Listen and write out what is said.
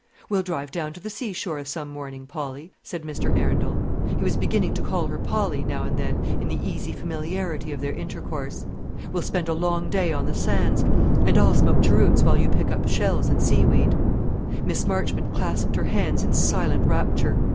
"We'll drive down to the seashore some morning, Polly," said Mr. Arundel. He was beginning to call her Polly, now and then, in the easy familiarity of their intercourse. "We'll spend a long day on the sands, and I'll smoke cheroots while you pick up shells and seaweed." Miss Marchmont clasped her hands in silent rapture.